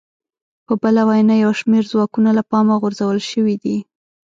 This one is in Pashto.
په بله وینا یو شمېر ځواکونه له پامه غورځول شوي دي